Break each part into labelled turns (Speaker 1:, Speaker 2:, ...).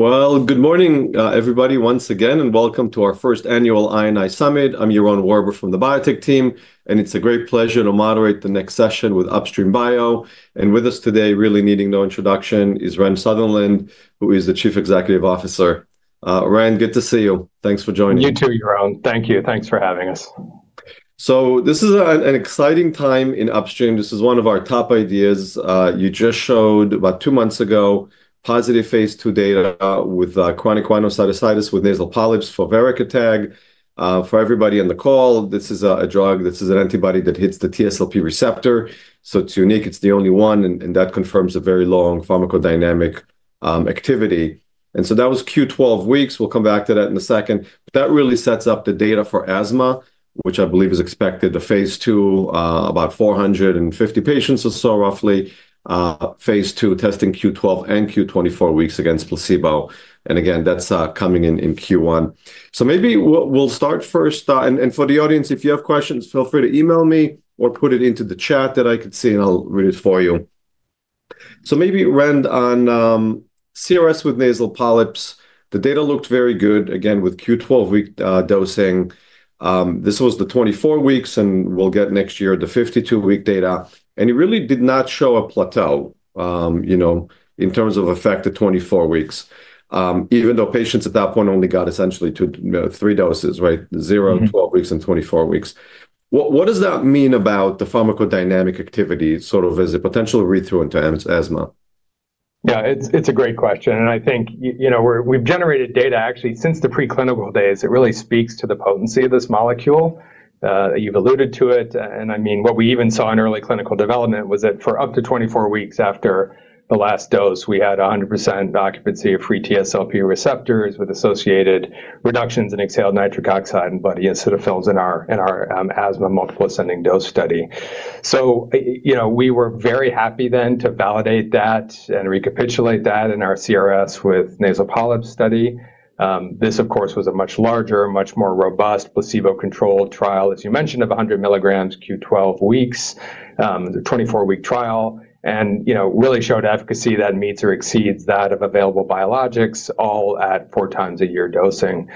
Speaker 1: Good morning, everybody, once again, and welcome to our first annual I&I Summit. I'm Yaron Warber from the BioTech team, and it's a great pleasure to moderate the next session with Upstream Bio. With us today, really needing no introduction, is Rand Sutherland, who is the Chief Executive Officer. Rand, good to see you. Thanks for joining us.
Speaker 2: You too, Yaron. Thank you. Thanks for having us.
Speaker 1: This is an exciting time in Upstream. This is one of our top ideas. You just showed about two months ago positive phase 2 data with chronic rhinosinusitis with nasal polyps for verekitug. For everybody on the call, this is a drug that is an antibody that hits the TSLP receptor. It is unique. It is the only one, and that confirms a very long Pharmacodynamic activity. That was Q12 weeks. We will come back to that in a second. That really sets up the data for asthma, which I believe is expected to phase 2 about 450 patients or so, roughly phase 2 testing Q12 and Q24 weeks against placebo. Again, that is coming in Q1. Maybe we will start first. For the audience, if you have questions, feel free to email me or put it into the chat that I could see, and I'll read it for you. Maybe, Rand, on CRS with nasal polyps, the data looked very good, again, with Q12 week dosing. This was the 24 weeks, and we'll get next year the 52 week data. It really did not show a plateau in terms of effect at 24 weeks, even though patients at that point only got essentially three doses, right? Zero, 12 weeks, and 24 weeks. What does that mean about the Pharmacodynamic activity sort of as a potential read-through into asthma?
Speaker 2: Yeah, it's a great question. I think we've generated data actually since the preclinical days. It really speaks to the potency of this molecule. You've alluded to it. I mean, what we even saw in early clinical development was that for up to 24 weeks after the last dose, we had 100% occupancy of free TSLP receptors with associated reductions in Exhaled Nitric Oxide and blood eosinophils in our asthma multiple ascending dose study. We were very happy then to validate that and recapitulate that in our CRSwNP study. This, of course, was a much larger, much more robust placebo-controlled trial, as you mentioned, of 100 mg Q12 weeks, 24 week trial, and really showed efficacy that meets or exceeds that of available biologics, all at four times a year dosing.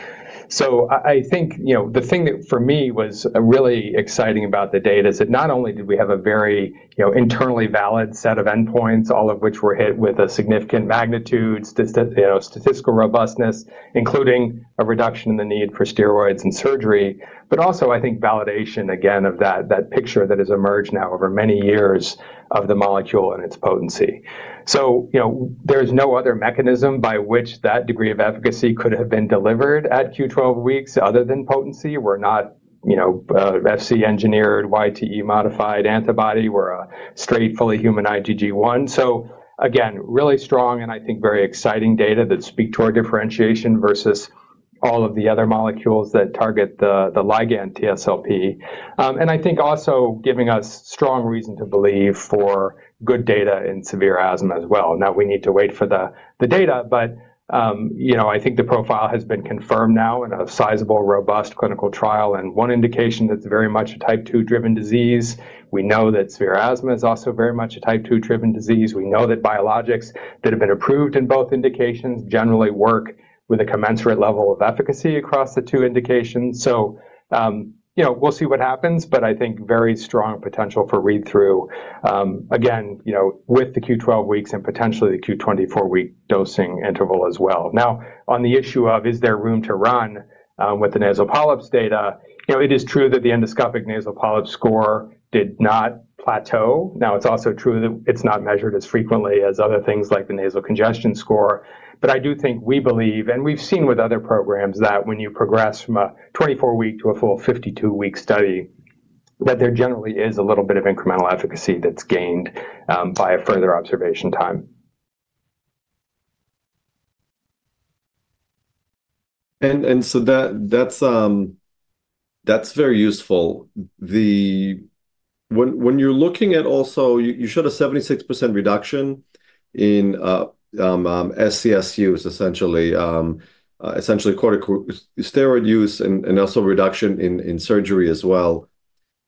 Speaker 2: I think the thing that for me was really exciting about the data is that not only did we have a very internally valid set of endpoints, all of which were hit with a significant magnitude, statistical robustness, including a reduction in the need for steroids and surgery, but also, I think, validation, again, of that picture that has emerged now over many years of the molecule and its potency. There's no other mechanism by which that degree of efficacy could have been delivered at Q12 weeks other than potency. We're not FC engineered, YTE modified antibody. We're a straight fully human IgG1. Again, really strong and I think very exciting data that speak to our differentiation versus all of the other molecules that target the ligand TSLP. I think also giving us strong reason to believe for good data in severe asthma as well. Now, we need to wait for the data, but I think the profile has been confirmed now in a Sizable, robust clinical trial. In one indication that's very much a type 2 driven disease, we know that severe asthma is also very much a type 2 driven disease. We know that biologics that have been approved in both indications generally work with a commensurate level of efficacy across the two indications. We will see what happens, but I think very strong potential for read-through, again, with the Q12 weeks and potentially the Q24 week dosing interval as well. Now, on the issue of is there room to run with the nasal polyps data, it is true that the Endoscopic nasal polyp score did not plateau. It is also true that it's not measured as frequently as other things like the Nasal congestion score. I do think we believe, and we've seen with other programs that when you progress from a 24 week to a full 52 week study, that there generally is a little bit of incremental efficacy that's gained by a further observation time.
Speaker 1: That's very useful. When you're looking at also, you showed a 76% reduction in SCS use, essentially, essentially steroid use and also reduction in surgery as well.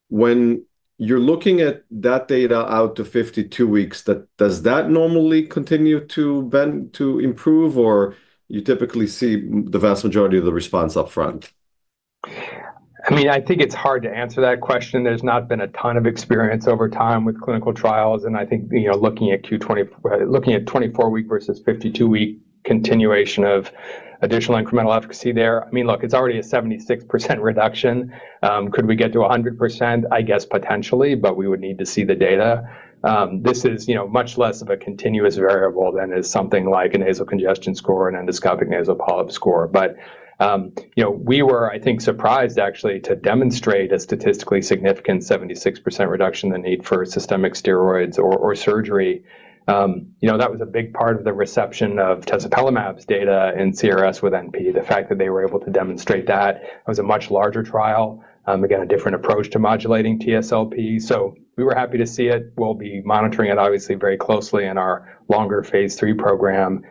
Speaker 1: When you're looking at that data out to 52 weeks, does that normally continue to improve, or you typically see the vast majority of the response upfront?
Speaker 2: I mean, I think it's hard to answer that question. There's not been a ton of experience over time with clinical trials. I think looking at 24 week versus 52 week continuation of additional incremental efficacy there, I mean, look, it's already a 76% reduction. Could we get to 100%? I guess potentially, but we would need to see the data. This is much less of a continuous variable than is something like a Nasal congestion score and Endoscopic nasal polyp score. We were, I think, surprised actually to demonstrate a statistically significant 76% reduction in the need for systemic steroids or surgery. That was a big part of the reception of Tezepelumab's data in CRS with NP. The fact that they were able to demonstrate that was a much larger trial, again, a different approach to modulating TSLP. We were happy to see it. We'll be monitoring it, obviously, very closely in our longer phase three program.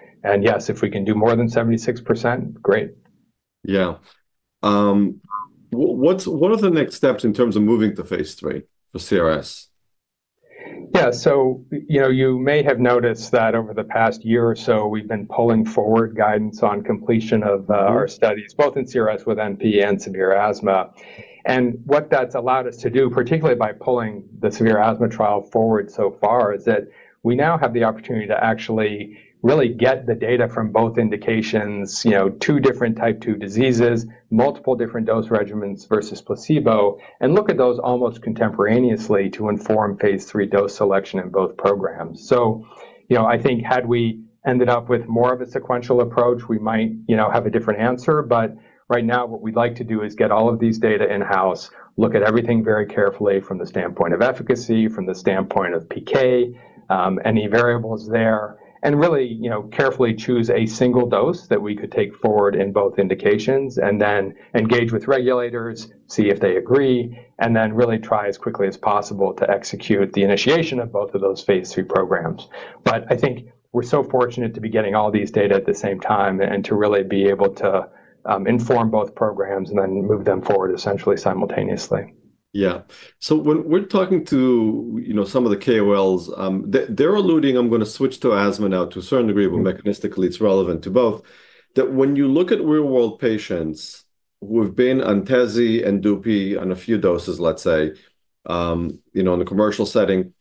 Speaker 2: Yes, if we can do more than 76%, great.
Speaker 1: Yeah. What are the next steps in terms of moving to phase three for CRS?
Speaker 2: Yeah. You may have noticed that over the past year or so, we've been pulling forward guidance on completion of our studies, both in CRS with NP and severe asthma. What that's allowed us to do, particularly by pulling the severe asthma trial forward so far, is that we now have the opportunity to actually really get the data from both indications, two different type 2 diseases, multiple different dose regimens versus placebo, and look at those almost contemporaneously to inform phase 3 dose selection in both programs. I think had we ended up with more of a sequential approach, we might have a different answer. Right now, what we'd like to do is get all of these data in-house, look at everything very carefully from the standpoint of efficacy, from the standpoint of PK, any variables there, and really carefully choose a single dose that we could take forward in both indications, and then engage with regulators, see if they agree, and then really try as quickly as possible to execute the initiation of both of those phase three programs. I think we're so fortunate to be getting all these data at the same time and to really be able to inform both programs and then move them forward essentially simultaneously.
Speaker 1: Yeah. So when we're talking to some of the KOLs, they're alluding, I'm going to switch to asthma now to a certain degree of mechanistically, it's relevant to both, that when you look at real-world patients who have been on Tezi and Dupi on a few doses, let's say, in a commercial setting,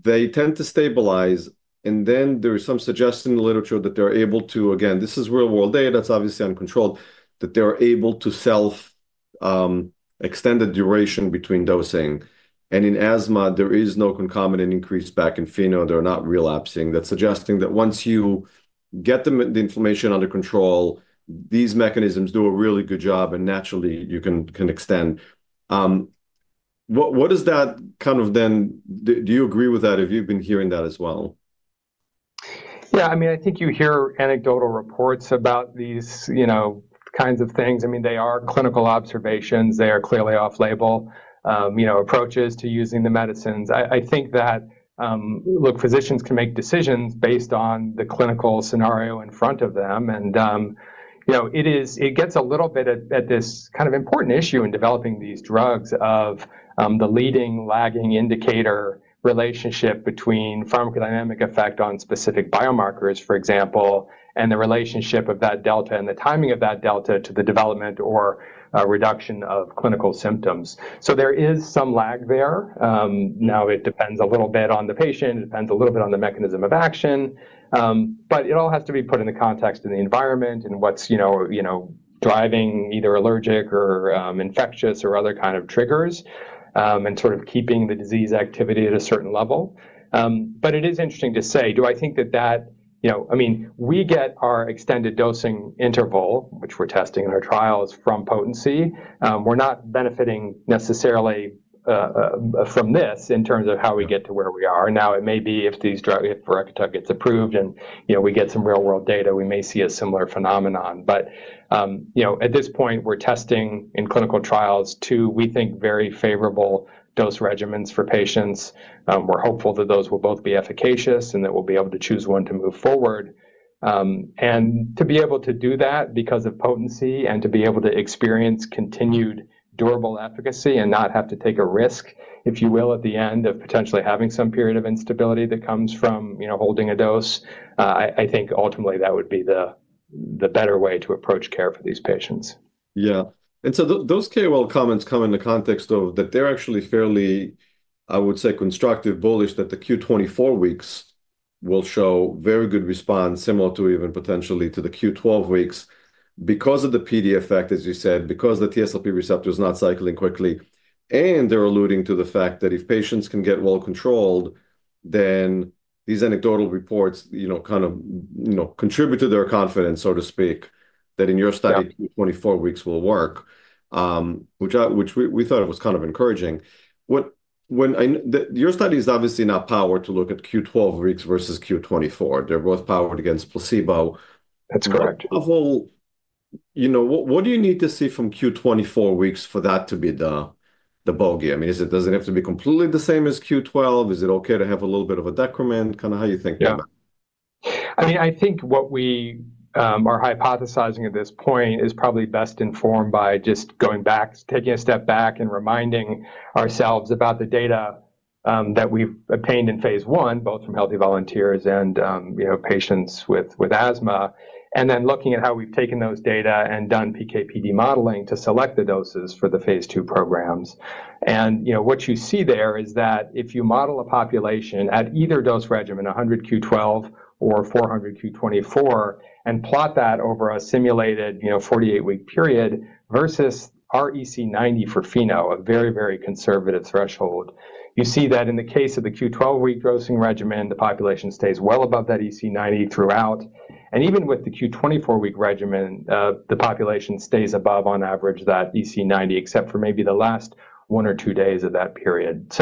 Speaker 1: they tend to stabilize. There is some suggestion in the literature that they're able to, again, this is real-world data, it's obviously uncontrolled, that they're able to self-extend the duration between dosing. In asthma, there is no concomitant increase back in pheno. They're not relapsing. That's suggesting that once you get the inflammation under control, these mechanisms do a really good job and naturally you can extend. What does that kind of then, do you agree with that if you've been hearing that as well?
Speaker 2: Yeah. I mean, I think you hear anecdotal reports about these kinds of things. I mean, they are clinical observations. They are clearly off-label approaches to using the medicines. I think that, look, physicians can make decisions based on the clinical scenario in front of them. It gets a little bit at this kind of important issue in developing these drugs of the leading lagging indicator relationship between pharmacodynamic effect on specific biomarkers, for example, and the relationship of that delta and the timing of that delta to the development or reduction of clinical symptoms. There is some lag there. Now, it depends a little bit on the patient. It depends a little bit on the mechanism of action. It all has to be put in the context of the environment and what's driving either allergic or infectious or other kind of triggers and sort of keeping the disease activity at a certain level. It is interesting to say, do I think that that, I mean, we get our extended dosing interval, which we're testing in our trials, from potency. We're not benefiting necessarily from this in terms of how we get to where we are. Now, it may be if these gets approved and we get some real-world data, we may see a similar phenomenon. At this point, we're testing in clinical trials two, we think, very favorable dose regimens for patients. We're hopeful that those will both be efficacious and that we'll be able to choose one to move forward. To be able to do that because of potency and to be able to experience continued durable efficacy and not have to take a risk, if you will, at the end of potentially having some period of instability that comes from holding a dose, I think ultimately that would be the better way to approach care for these patients.
Speaker 1: Yeah. Those KOL comments come in the context of that they're actually fairly, I would say, constructive, bullish that the Q24 weeks will show very good response similar to even potentially to the Q12 weeks because of the PD effect, as you said, because the TSLP receptor is not cycling quickly. They're alluding to the fact that if patients can get well controlled, then these anecdotal reports kind of contribute to their confidence, so to speak, that in your study, Q24 weeks will work, which we thought it was kind of encouraging. Your study is obviously not powered to look at Q12 weeks versus Q24. They're both powered against placebo.
Speaker 2: That's correct.
Speaker 1: What do you need to see from Q24 weeks for that to be the bogey? I mean, does it have to be completely the same as Q12? Is it okay to have a little bit of a decrement? Kind of how you think about that.
Speaker 2: Yeah. I mean, I think what we are hypothesizing at this point is probably best informed by just going back, taking a step back and reminding ourselves about the data that we've obtained in phase one, both from healthy volunteers and patients with asthma, and then looking at how we've taken those data and done PK/PD modeling to select the doses for the phase two programs. What you see there is that if you model a population at either dose regimen, 100 Q12 or 400 Q24, and plot that over a simulated 48-week period versus EC90 for pheno, a very, very conservative threshold, you see that in the case of the Q12 week dosing regimen, the population stays well above that EC90 throughout. Even with the Q24 week regimen, the population stays above on average that EC90, except for maybe the last one or two days of that period.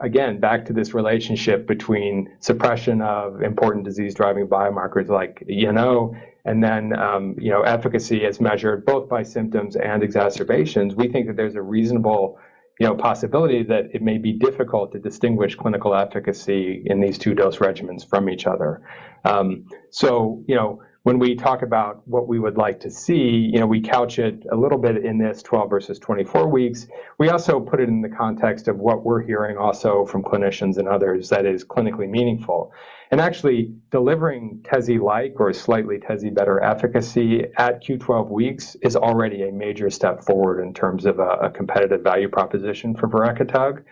Speaker 2: Again, back to this relationship between suppression of important disease-driving biomarkers like ENO and then efficacy as measured both by Symptoms and Exacerbations, we think that there's a reasonable possibility that it may be difficult to distinguish clinical efficacy in these two dose regimens from each other. When we talk about what we would like to see, we couch it a little bit in this 12 versus 24 weeks. We also put it in the context of what we're hearing also from clinicians and others that is clinically meaningful. Actually delivering Teze-like or slightly Teze better efficacy at Q12 weeks is already a major step forward in terms of a competitive value proposition for verekitug.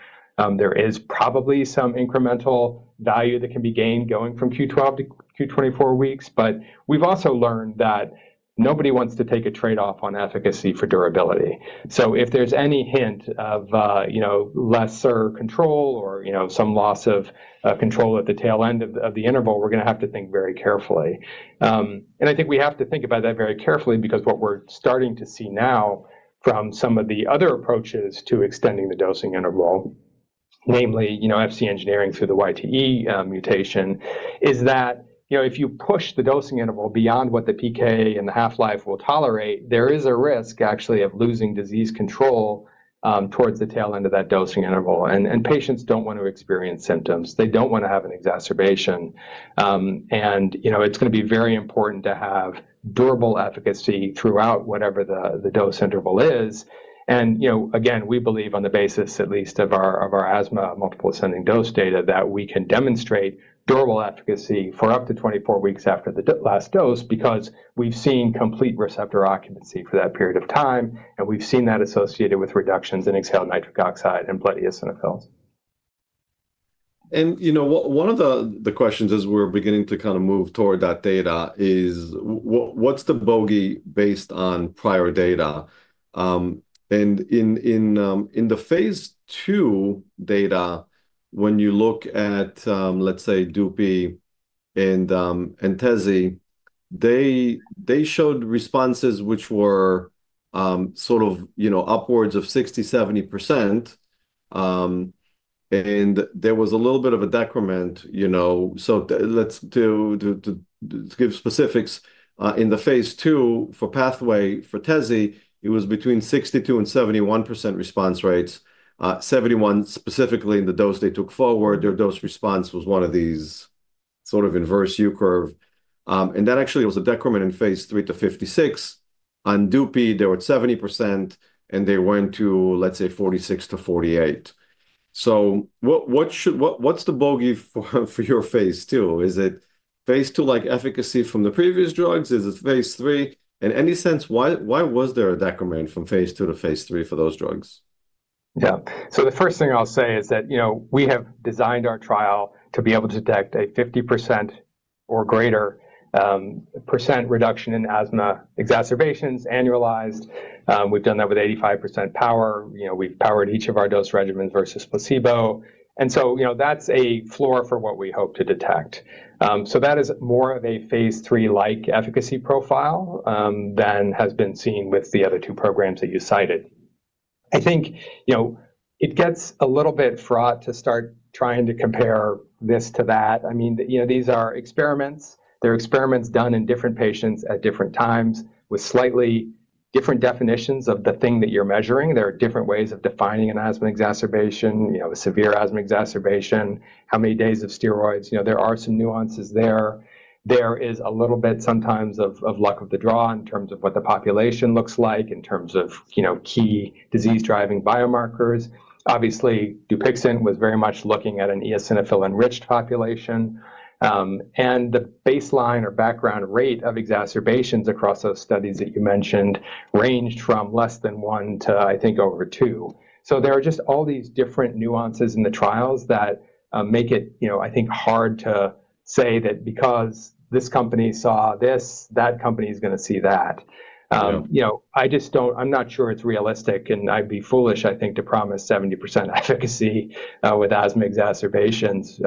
Speaker 2: There is probably some incremental value that can be gained going from Q12 to Q24 weeks, but we've also learned that nobody wants to take a trade-off on efficacy for durability. If there's any hint of lesser control or some loss of control at the tail end of the interval, we're going to have to think very carefully. I think we have to think about that very carefully because what we're starting to see now from some of the other approaches to extending the dosing interval, namely FC engineering through the YTE mutation, is that if you push the dosing interval beyond what the PK and the half-life will tolerate, there is a risk actually of losing disease control towards the tail end of that dosing interval. Patients don't want to experience symptoms. They don't want to have an exacerbation. It is going to be very important to have durable efficacy throughout whatever the dose interval is. Again, we believe on the basis at least of our asthma multiple ascending dose data that we can demonstrate durable efficacy for up to 24 weeks after the last dose because we have seen complete receptor occupancy for that period of time, and we have seen that associated with reductions in Exhaled Nitric Oxide and blood eosinophils.
Speaker 1: One of the questions as we're beginning to kind of move toward that data is, what's the bogey based on prior data? In the phase two data, when you look at, let's say, Dupi and Tezi, they showed responses which were sort of upwards of 60-70%. There was a little bit of a decrement. To give specifics, in the phase two for pathway for Tezi, it was between 62-71% response rates. Seventy-one specifically in the dose they took forward, their dose response was one of these sort of inverse U-curve. That actually was a decrement in phase three to 56%. On Dupi, they were at 70%, and they went to, let's say, 46-48%. What's the bogey for your phase two? Is it phase two-like efficacy from the previous drugs? Is it phase three? In any sense, why was there a decrement from phase two to phase three for those drugs?
Speaker 2: Yeah. The first thing I'll say is that we have designed our trial to be able to detect a 50% or greater % reduction in asthma exacerbations annualized. We've done that with 85% power. We've powered each of our dose regimens versus placebo. That is a floor for what we hope to detect. That is more of a phase three-like efficacy profile than has been seen with the other two programs that you cited. I think it gets a little bit fraught to start trying to compare this to that. I mean, these are experiments. They're experiments done in different patients at different times with slightly different definitions of the thing that you're measuring. There are different ways of defining an asthma exacerbation, a severe asthma exacerbation, how many days of steroids. There are some nuances there. There is a little bit sometimes of luck of the draw in terms of what the population looks like, in terms of key disease-driving biomarkers. Obviously, Dupixent was very much looking at an eosinophil-enriched population. The baseline or background rate of exacerbations across those studies that you mentioned ranged from less than one to, I think, over two. There are just all these different nuances in the trials that make it, I think, hard to say that because this company saw this, that company is going to see that. I'm not sure it's realistic, and I'd be foolish, I think, to promise 70% efficacy with asthma exacerbations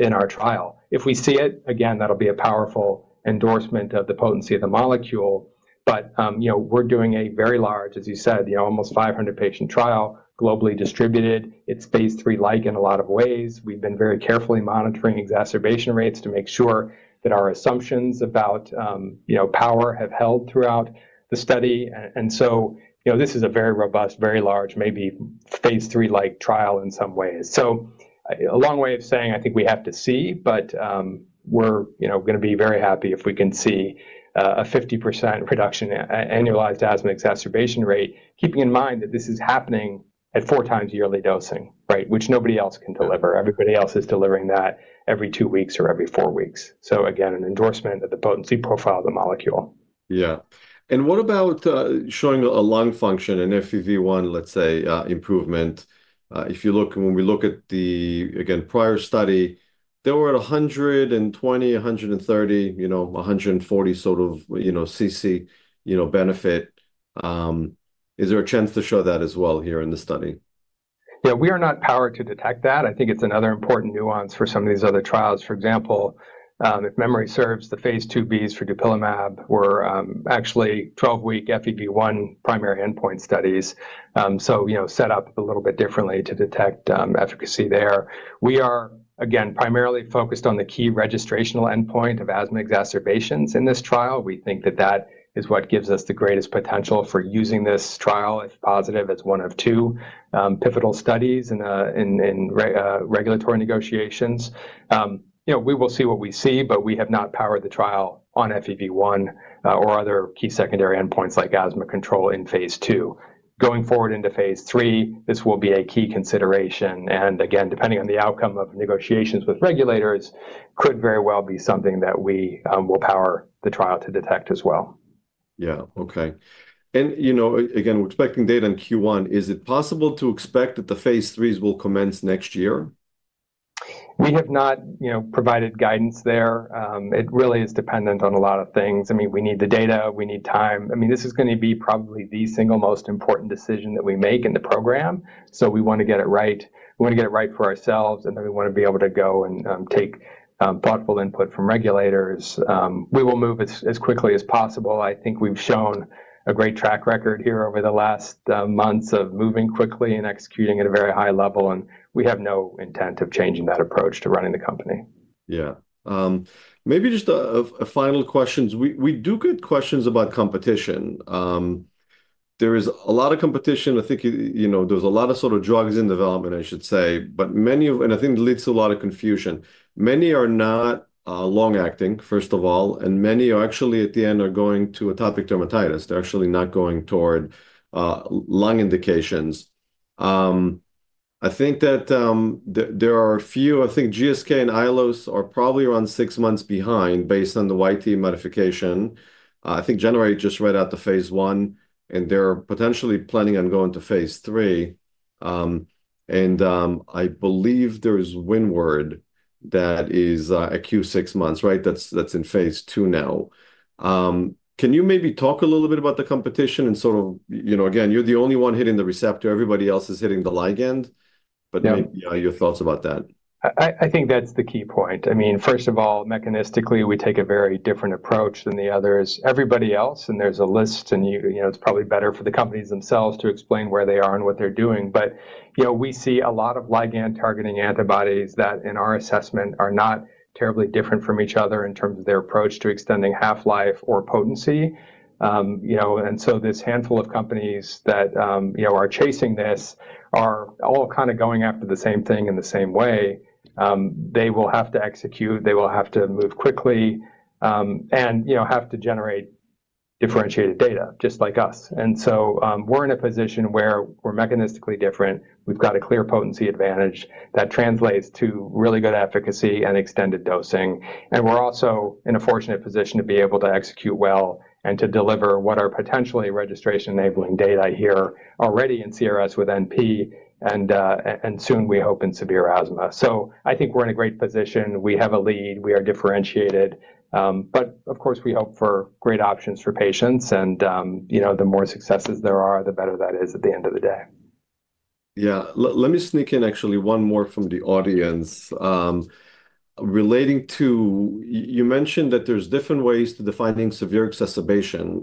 Speaker 2: in our trial. If we see it, again, that'll be a powerful endorsement of the potency of the molecule. We're doing a very large, as you said, almost 500-patient trial globally distributed. It's phase three-like in a lot of ways. We've been very carefully monitoring exacerbation rates to make sure that our assumptions about power have held throughout the study. This is a very robust, very large, maybe phase three-like trial in some ways. A long way of saying, I think we have to see, but we're going to be very happy if we can see a 50% reduction in annualized asthma exacerbation rate, keeping in mind that this is happening at four times yearly dosing, right, which nobody else can deliver. Everybody else is delivering that every two weeks or every four weeks. Again, an endorsement of the potency profile of the molecule.
Speaker 1: Yeah. What about showing a lung function, an FEV1, let's say, improvement? If you look, when we look at the, again, prior study, they were at 120, 130, 140 sort of CC benefit. Is there a chance to show that as well here in the study?
Speaker 2: Yeah. We are not powered to detect that. I think it's another important nuance for some of these other trials. For example, if memory serves, the phase two Bs for Dupixent were actually 12-week FEV1 primary endpoint studies, so set up a little bit differently to detect efficacy there. We are, again, primarily focused on the key registrational endpoint of asthma exacerbations in this trial. We think that that is what gives us the greatest potential for using this trial if positive as one of two pivotal studies in regulatory negotiations. We will see what we see, but we have not powered the trial on FEV1 or other key secondary endpoints like asthma control in phase two. Going forward into phase three, this will be a key consideration. Again, depending on the outcome of negotiations with regulators, could very well be something that we will power the trial to detect as well.
Speaker 1: Yeah. Okay. And again, we're expecting data in Q1. Is it possible to expect that the phase threes will commence next year?
Speaker 2: We have not provided guidance there. It really is dependent on a lot of things. I mean, we need the data. We need time. I mean, this is going to be probably the single most important decision that we make in the program. We want to get it right. We want to get it right for ourselves, and then we want to be able to go and take thoughtful input from regulators. We will move as quickly as possible. I think we've shown a great track record here over the last months of moving quickly and executing at a very high level, and we have no intent of changing that approach to running the company. Yeah. Maybe just a final question. We do get questions about competition. There is a lot of competition. I think there's a lot of sort of drugs in development, I should say, but many of, and I think it leads to a lot of confusion. Many are not long-acting, first of all, and many are actually at the end are going to atopic dermatitis. They're actually not going toward lung indications. I think that there are a few, I think GSK and ILOS are probably around six months behind based on the YTE modification. I think generally just right out the phase one, and they're potentially planning on going to phase three. And I believe there is Wynward that is a Q6 months, right? That's in phase two now. Can you maybe talk a little bit about the competition and sort of, again, you're the only one hitting the receptor. Everybody else is hitting the ligand. Maybe your thoughts about that. I think that's the key point. I mean, first of all, mechanistically, we take a very different approach than the others. Everybody else, and there's a list, and it's probably better for the companies themselves to explain where they are and what they're doing. We see a lot of ligand-targeting antibodies that in our assessment are not terribly different from each other in terms of their approach to extending half-life or potency. This handful of companies that are chasing this are all kind of going after the same thing in the same way. They will have to execute. They will have to move quickly and have to generate differentiated data, just like us. We're in a position where we're mechanistically different. We've got a clear potency advantage that translates to really good efficacy and extended dosing. We are also in a fortunate position to be able to execute well and to deliver what are potentially registration-enabling data here already in CRSwNP and soon, we hope, in severe asthma. I think we are in a great position. We have a lead. We are differentiated. Of course, we hope for great options for patients. The more successes there are, the better that is at the end of the day.
Speaker 1: Yeah. Let me sneak in actually one more from the audience. Relating to, you mentioned that there's different ways to define severe exacerbation.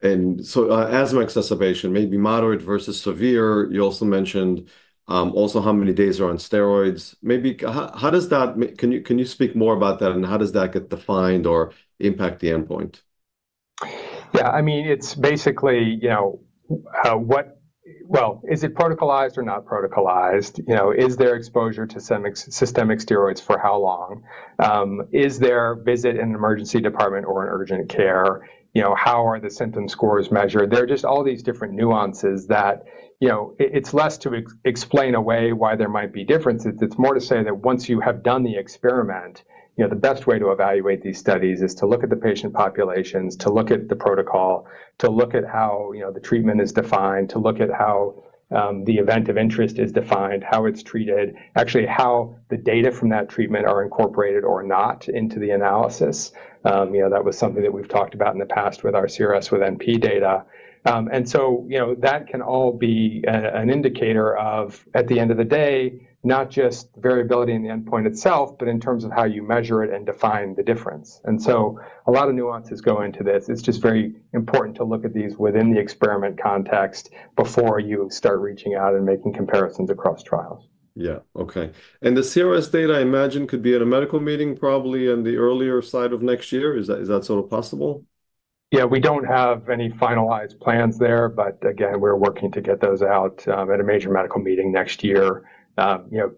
Speaker 1: And so asthma exacerbation, maybe moderate versus severe. You also mentioned also how many days are on steroids. Maybe how does that, can you speak more about that and how does that get defined or impact the endpoint?
Speaker 2: Yeah. I mean, it's basically what, well, is it protocolized or not protocolized? Is there exposure to Systemic corticosteroids for how long? Is there a visit in an emergency department or an urgent care? How are the symptom scores measured? There are just all these different nuances that it's less to explain away why there might be differences. It's more to say that once you have done the experiment, the best way to evaluate these studies is to look at the patient populations, to look at the protocol, to look at how the treatment is defined, to look at how the event of interest is defined, how it's treated, actually how the data from that treatment are incorporated or not into the analysis. That was something that we've talked about in the past with our CRSwNP data. That can all be an indicator of, at the end of the day, not just variability in the endpoint itself, but in terms of how you measure it and define the difference. A lot of nuances go into this. It is just very important to look at these within the experiment context before you start reaching out and making comparisons across trials.
Speaker 1: Yeah. Okay. And the CRS data, I imagine, could be at a medical meeting probably in the earlier side of next year. Is that sort of possible?
Speaker 2: Yeah. We don't have any finalized plans there, but again, we're working to get those out at a major medical meeting next year.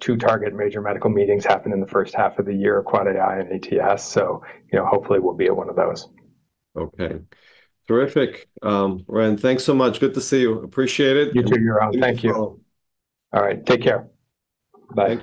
Speaker 2: Two target major medical meetings happen in the first half of the year, QuadAI and ATS. Hopefully we'll be at one of those.
Speaker 1: Okay. Terrific. Ryan, thanks so much. Good to see you. Appreciate it.
Speaker 2: You too, Your Honor. Thank you. All right. Take care. Bye.
Speaker 1: Bye.